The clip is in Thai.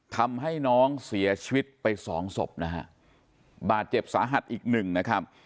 ทำให้น้องเสียชีวิตไปสองศพนะฮะบาดเจ็บสาหัสอีกหนึ่งนะครับ